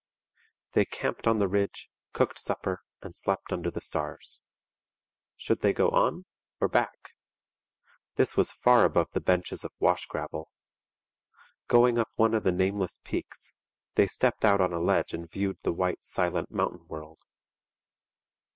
They camped on the ridge, cooked supper, and slept under the stars. Should they go on, or back? This was far above the benches of wash gravel. Going up one of the nameless peaks, they stepped out on a ledge and viewed the white, silent mountain world.